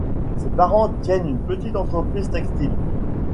Ses parents tiennent une petite entreprise textile.